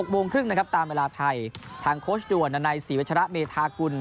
โมงครึ่งนะครับตามเวลาไทยทางโค้ชด่วนนานัยศรีวัชระเมธากุล